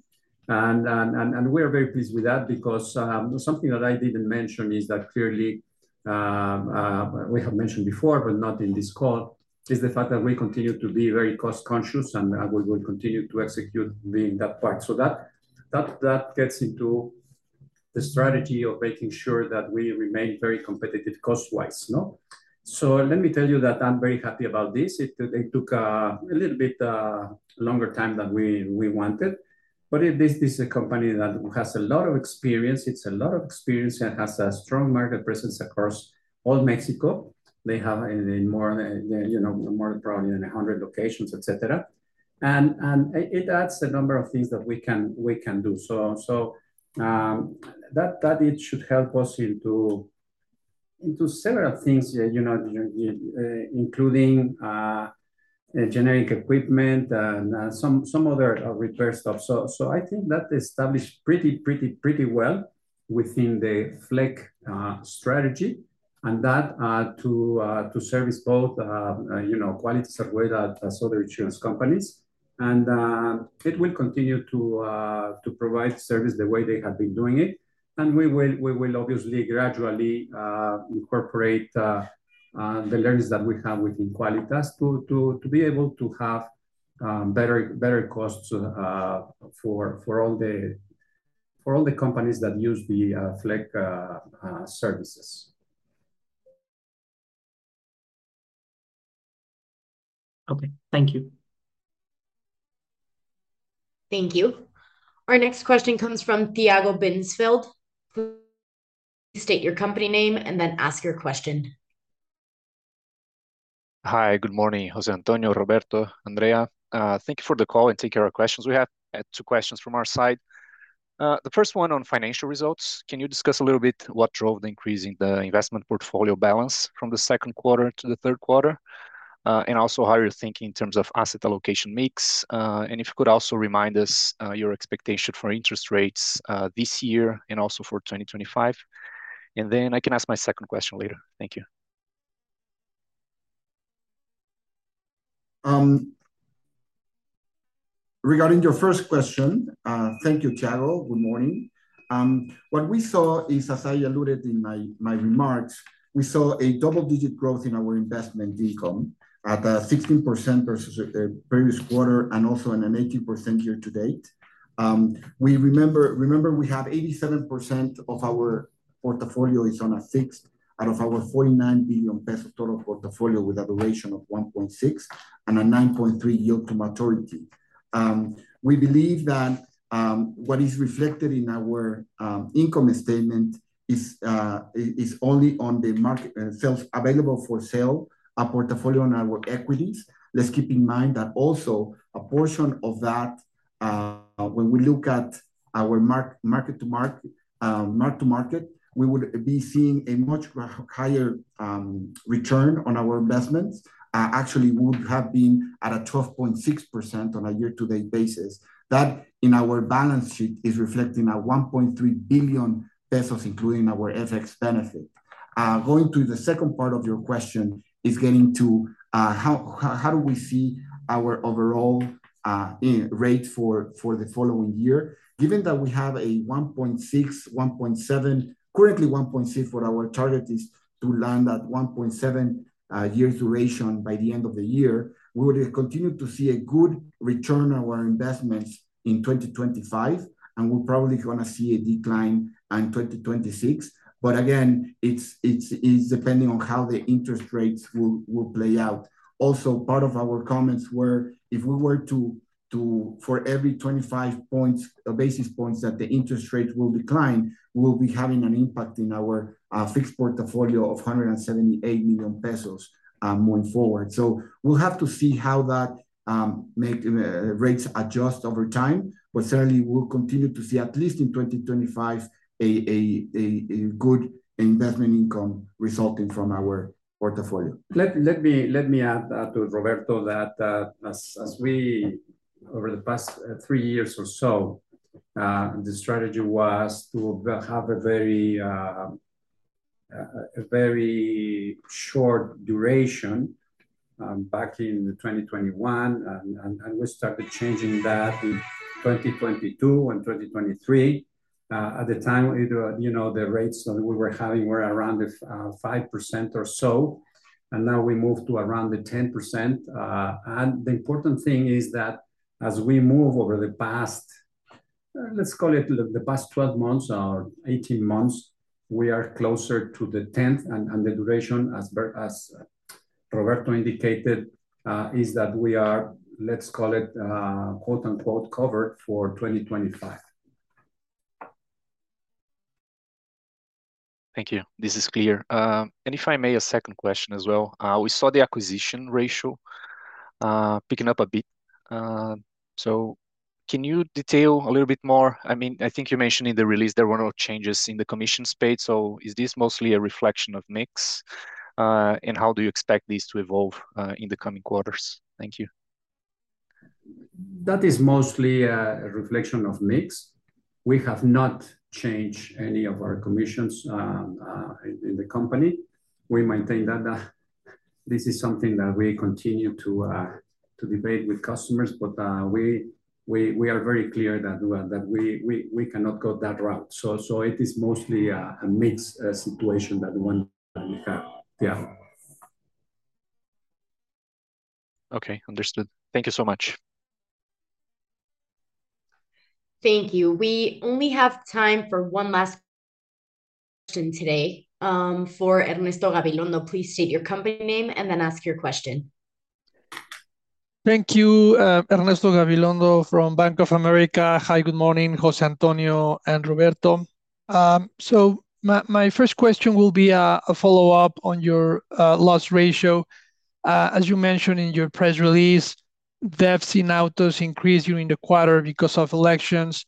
And we are very pleased with that because, something that I didn't mention is that clearly we have mentioned before, but not in this call, is the fact that we continue to be very cost conscious, and, we will continue to execute being that part. So that gets into the strategy of making sure that we remain very competitive cost-wise, no? So let me tell you that I'm very happy about this. It took a little bit longer time than we wanted, but this is a company that has a lot of experience. It's a lot of experience and has a strong market presence across all Mexico. They have, you know, more probably than 100 locations, et cetera. And it adds a number of things that we can do. So that it should help us into several things, you know, including heavy equipment and some other repair stuff. So I think that established pretty well within the Flekk strategy, and that to service both, you know, Quálitas as other insurance companies. And it will continue to provide service the way they have been doing it. And we will obviously gradually incorporate the learnings that we have within Quálitas to be able to have better costs for all the companies that use the Flekk services. Okay, thank you. Thank you. Our next question comes from Thiago Binsfeld. Please state your company name and then ask your question. Hi, good morning, José Antonio, Roberto, Andrea. Thank you for the call and take our questions. We have two questions from our side. The first one on financial results, can you discuss a little bit what drove the increase in the investment portfolio balance from the second quarter to the third quarter? And also how you're thinking in terms of asset allocation mix. And if you could also remind us your expectation for interest rates this year and also for twenty twenty-five. Then I can ask my second question later. Thank you. Regarding your first question, thank you, Thiago. Good morning. What we saw is, as I alluded in my remarks, we saw a double-digit growth in our investment income at 16% versus the previous quarter, and also in an 18% year to date. We remember, we have 87% of our portfolio is in fixed income, out of our 49 billion peso total portfolio, with a duration of 1.6 and a 9.3% yield to maturity. We believe that, what is reflected in our income statement is only the mark-to-market on available for sale, our portfolio and our equities. Let's keep in mind that also a portion of that, when we look at our market to market, we would be seeing a much higher return on our investments. Actually would have been at a 12.6% on a year-to-date basis. That, in our balance sheet, is reflecting a 1.3 billion pesos, including our FX benefit. Going to the second part of your question, is getting to how do we see our overall rate for the following year? Given that we have a 1.6-1.7. Currently, 1.6, for our target is to land at 1.7 year duration by the end of the year. We will continue to see a good return on our investments in 2025, and we're probably gonna see a decline in 2026. But again, it's depending on how the interest rates will play out. Also, part of our comments were if, for every 25 basis points that the interest rate will decline, we'll be having an impact in our fixed portfolio of 178 million pesos going forward. So we'll have to see how the rates adjust over time. But certainly we'll continue to see, at least in 2025, a good investment income resulting from our portfolio. Let me add to Roberto that as we over the past three years or so, the strategy was to have a very short duration back in 2021, and we started changing that in 2022 and 2023. At the time, you know, the rates that we were having were around 5% or so, and now we moved to around the 10%. And the important thing is that as we move over the past, let's call it the past 12 months or 18 months, we are closer to the 10%, and the duration, as Roberto indicated, is that we are, let's call it, quote unquote, "covered for 2025. Thank you. This is clear. And if I may, a second question as well. We saw the acquisition ratio picking up a bit. So can you detail a little bit more? I mean, I think you mentioned in the release there were no changes in the commission structure, so is this mostly a reflection of mix? And how do you expect this to evolve in the coming quarters? Thank you. That is mostly a reflection of mix. We have not changed any of our commissions in the company. We maintain that. This is something that we continue to debate with customers, but we are very clear that we cannot go that route. So it is mostly a mixed situation that one we have. Yeah. Okay, understood. Thank you so much. Thank you. We only have time for one last question today, for Ernesto Gabilondo. Please state your company name and then ask your question. Thank you. Ernesto Gabilondo from Bank of America. Hi, good morning, José Antonio and Roberto. So my first question will be a follow-up on your loss ratio. As you mentioned in your press release, thefts in autos increased during the quarter because of elections.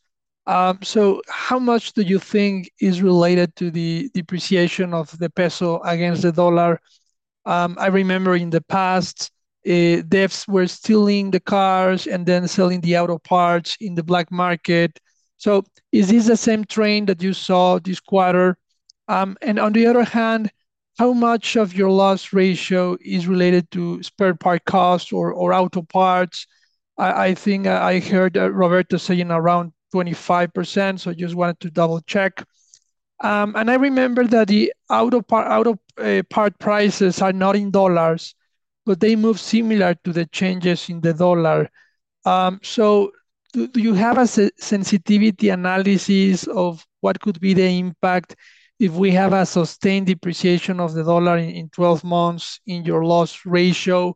So how much do you think is related to the depreciation of the peso against the dollar? I remember in the past, thefts were stealing the cars and then selling the auto parts in the black market. So is this the same trend that you saw this quarter? And on the other hand, how much of your loss ratio is related to spare part costs or auto parts? I think I heard Roberto saying around 25%, so just wanted to double-check. And I remember that the auto part prices are not in dollars, but they move similar to the changes in the dollar. So do you have a sensitivity analysis of what could be the impact if we have a sustained depreciation of the dollar in 12 months in your loss ratio?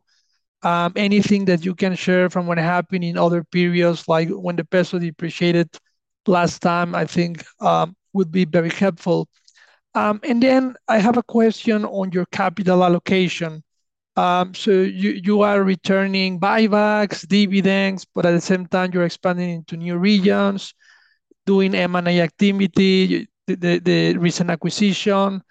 Anything that you can share from what happened in other periods, like when the peso depreciated last time, I think, would be very helpful. And then I have a question on your capital allocation. So you are returning buybacks, dividends, but at the same time, you're expanding into new regions, doing M&A activity, the recent acquisition.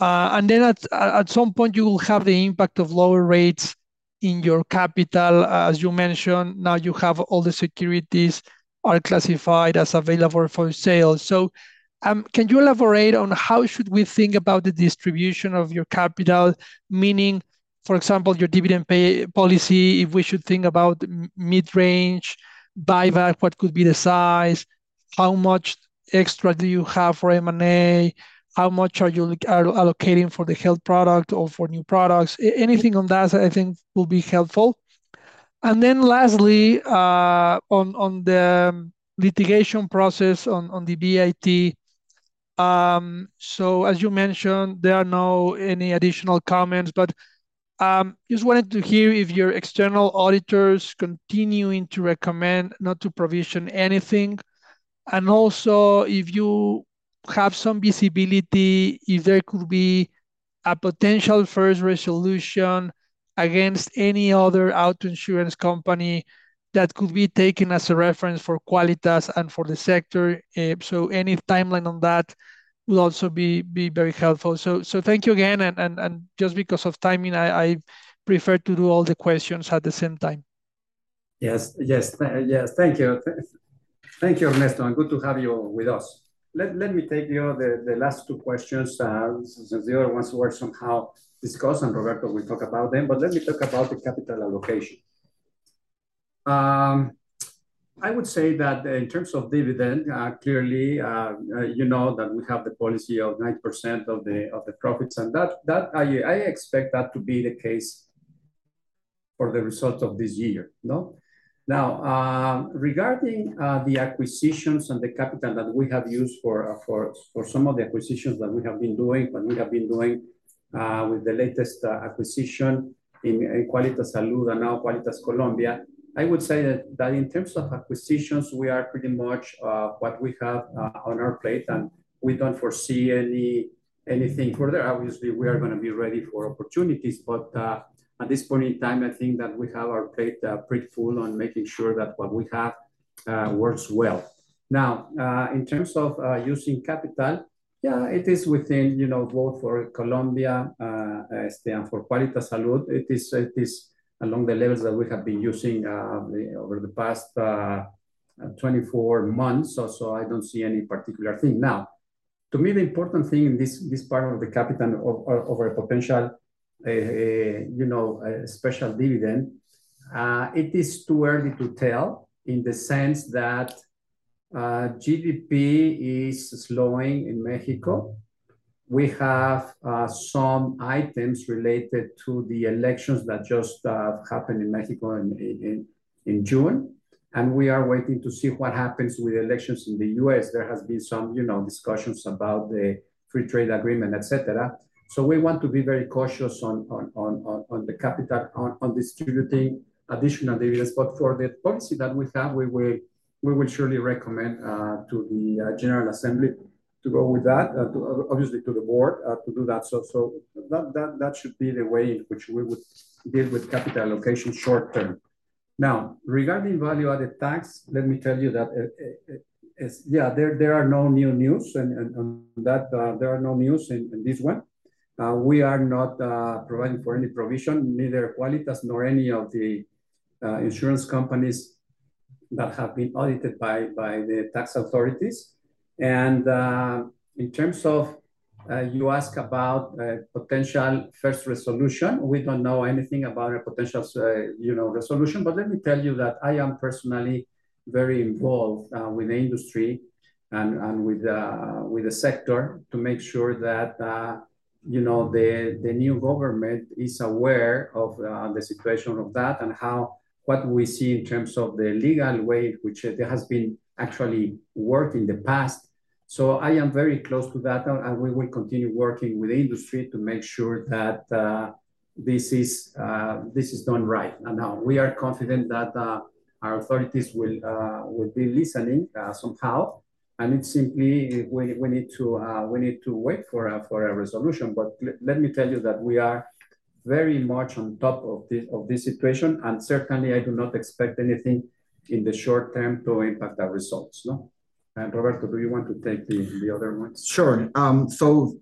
And then at some point, you will have the impact of lower rates in your capital. As you mentioned, now you have all the securities are classified as available for sale. So, can you elaborate on how should we think about the distribution of your capital? Meaning, for example, your dividend pay policy, if we should think about mid-range buyback, what could be the size? How much extra do you have for M&A? How much are you allocating for the health product or for new products? Anything on that, I think will be helpful. And then lastly, on the litigation process on the BIT. So as you mentioned, there are no any additional comments, but, just wanted to hear if your external auditors continuing to recommend not to provision anything. Also, if you have some visibility if there could be a potential first resolution against any other auto insurance company that could be taken as a reference for Quálitas and for the sector. Any timeline on that will also be very helpful. Thank you again, and just because of timing, I prefer to do all the questions at the same time. Yes, yes. Thank you. Thank you, Ernesto, and good to have you with us. Let me take you to the last two questions, since the other ones were somehow discussed, and Roberto will talk about them, but let me talk about the capital allocation. I would say that in terms of dividend, clearly, you know, that we have the policy of 9% of the profits, and that I expect that to be the case for the results of this year, no? Now, regarding, the acquisitions and the capital that we have used for, for some of the acquisitions that we have been doing, with the latest, acquisition in Quálitas Salud and now Quálitas Colombia, I would say that in terms of acquisitions, we are pretty much, what we have, on our plate, and we don't foresee anything further. Obviously, we are gonna be ready for opportunities, but, at this point in time, I think that we have our plate, pretty full on making sure that what we have, works well. Now, in terms of, using capital, yeah, it is within, you know, both for Colombia, and for Quálitas Salud. It is along the levels that we have been using over the past twenty-four months, so I don't see any particular thing. Now, to me, the important thing in this part of the capital of a potential, you know, special dividend, it is too early to tell in the sense that GDP is slowing in Mexico. We have some items related to the elections that just happened in Mexico in June, and we are waiting to see what happens with elections in the U.S. There has been some, you know, discussions about the free trade agreement, et cetera. So we want to be very cautious on the capital on distributing additional dividends, but for the policy that we have, we will surely recommend to the General Assembly to go with that, obviously to the board, to do that. So that should be the way in which we would deal with capital allocation short term. Now, regarding value-added tax, let me tell you that there are no new news, and that there are no news in this one. We are not providing for any provision, neither Quálitas nor any of the insurance companies that have been audited by the tax authorities. In terms of you ask about potential first resolution, we don't know anything about a potential, you know, resolution, but let me tell you that I am personally very involved with the industry and with the sector to make sure that, you know, the new government is aware of the situation of that, and how what we see in terms of the legal way, which it has been actually worked in the past, so I am very close to that, and we will continue working with the industry to make sure that this is done right, and now we are confident that our authorities will be listening somehow, and it's simply we need to wait for a resolution. But let me tell you that we are very much on top of this situation, and certainly I do not expect anything in the short term to impact our results. No? And Roberto, do you want to take the other one? Sure. So,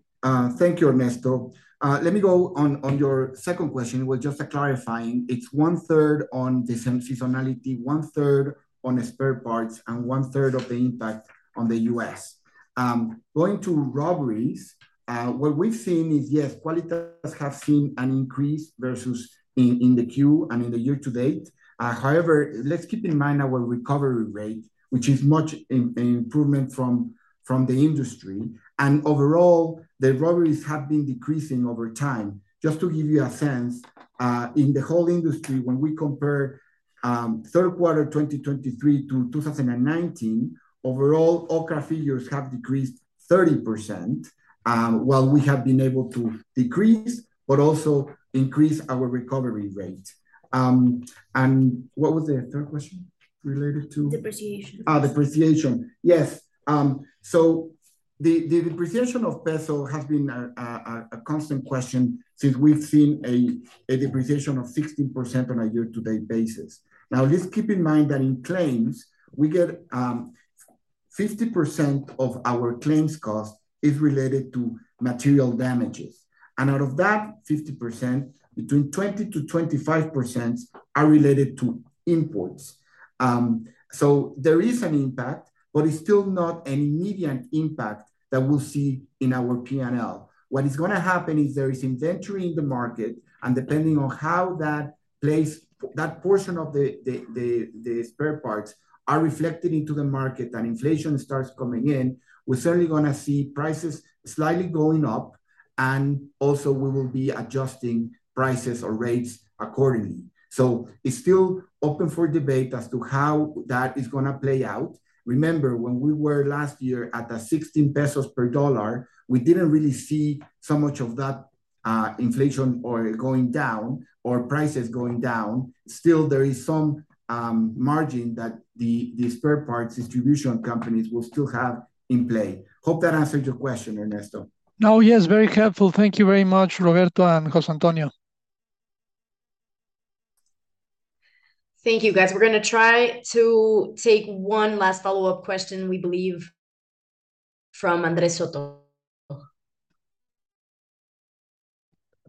thank you, Ernesto. Let me go on your second question with just a clarifying. It's one-third on the seasonality, one-third on the spare parts, and one-third of the impact on the U.S. Going to robberies, what we've seen is, yes, Quálitas have seen an increase versus in the Q and in the year to date. However, let's keep in mind our recovery rate, which is much improvement from the industry. And overall, the robberies have been decreasing over time. Just to give you a sense, in the whole industry, when we compare third quarter 2023 to 2019, overall, all our figures have decreased 30%, while we have been able to decrease but also increase our recovery rate. And what was the third question related to? Depreciation. Depreciation. Yes. So the depreciation of peso has been a constant question since we've seen a depreciation of 16% on a year-to-date basis. Now, just keep in mind that in claims, we get 50% of our claims cost is related to material damages, and out of that 50%, between 20%-25% are related to imports. So there is an impact, but it's still not an immediate impact that we'll see in our P&L. What is gonna happen is there is inventory in the market, and depending on how that plays, that portion of the spare parts are reflected into the market and inflation starts coming in, we're certainly gonna see prices slightly going up, and also we will be adjusting prices or rates accordingly. So it's still open for debate as to how that is gonna play out. Remember, when we were last year at the 16 pesos per dollar, we didn't really see so much of that, inflation or going down or prices going down. Still, there is some margin that the spare parts distribution companies will still have in play. Hope that answered your question, Ernesto. Oh, yes, very helpful. Thank you very much, Roberto and José Antonio. Thank you, guys. We're gonna try to take one last follow-up question, we believe from Andrés Soto.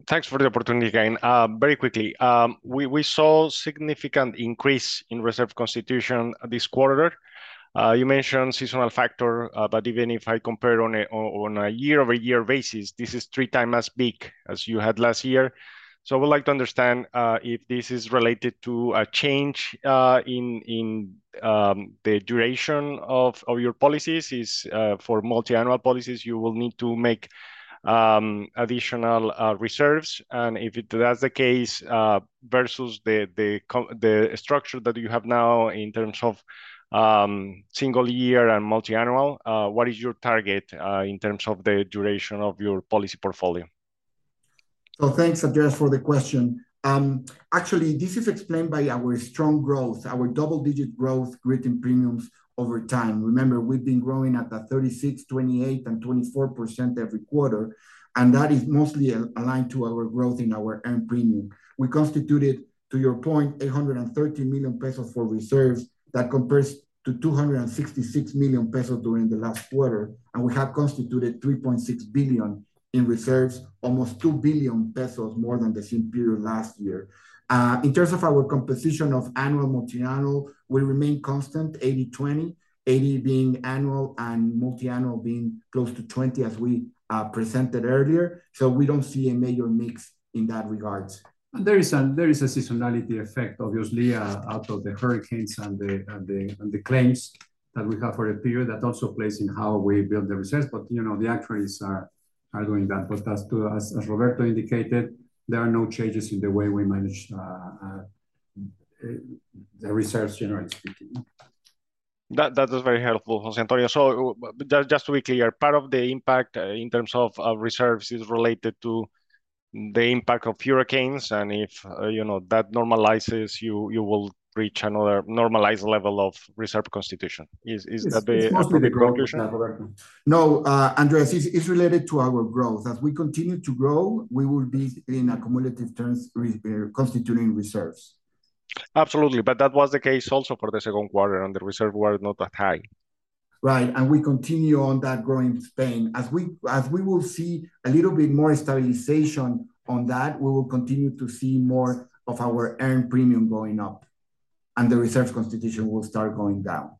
Thanks for the opportunity again. Very quickly, we saw significant increase in reserve constitution this quarter. You mentioned seasonal factor, but even if I compare on a year-over-year basis, this is three times as big as you had last year. So I would like to understand if this is related to a change in the duration of your policies. For multi-annual policies, you will need to make additional reserves, and if that's the case, versus the structure that you have now in terms of single year and multi-annual, what is your target in terms of the duration of your policy portfolio? Thanks, Andres, for the question. Actually, this is explained by our strong growth, our double-digit growth written premiums over time. Remember, we've been growing at the 36%, 28%, and 24% every quarter, and that is mostly aligned to our growth in our earned premium. We constituted, to your point, 130 million pesos for reserves. That compares to 266 million pesos during the last quarter, and we have constituted 3.6 billion in reserves, almost 2 billion pesos more than the same period last year. In terms of our composition of annual, multi-annual, we remain constant, 80-20. 80 being annual and multi-annual being close to 20, as we presented earlier, so we don't see a major mix in that regards. There is a seasonality effect, obviously, out of the hurricanes and the claims that we have for the period. That also plays in how we build the reserves, but you know, the actuaries are doing that. But as to... As Roberto indicated, there are no changes in the way we manage the reserves, generally speaking. That is very helpful, José Antonio. So just to be clear, part of the impact in terms of reserves is related to the impact of hurricanes, and if you know that normalizes, you will reach another normalized level of reserve constitution. Is that the- It's mostly-... interpretation? No, Andres, it's related to our growth. As we continue to grow, we will be in cumulative terms reconstituting reserves. Absolutely, but that was the case also for the second quarter, and the reserves were not that high. Right, and we continue on that growing span. As we will see a little bit more stabilization on that, we will continue to see more of our earned premium going up, and the reserve constitution will start going down.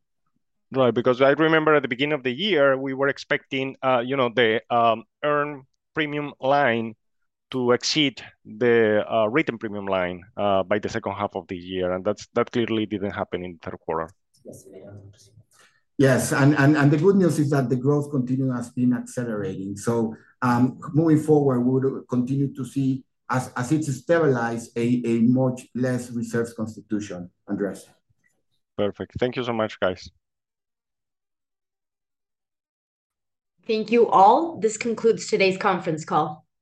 Right. Because I remember at the beginning of the year, we were expecting, you know, the earned premium line to exceed the written premium line by the second half of the year, and that's, that clearly didn't happen in third quarter. Yes, it did. Yes, and the good news is that the growth continue has been accelerating. So, moving forward, we would continue to see, as it stabilize, a much less reserves constitution, Andres. Perfect. Thank you so much, guys. Thank you, all. This concludes today's conference call.